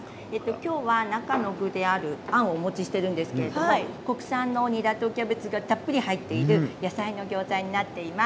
今日は中の具であるあんをお持ちしているんですけれど国産のニラとキャベツがたっぷり入っている野菜の餃子になっています。